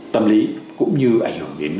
tâm lý cũng như ảnh hưởng đến